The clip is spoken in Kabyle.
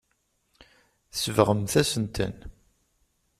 Tsebɣemt-asen-ten.